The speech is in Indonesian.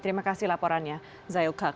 terima kasih laporannya zayul kak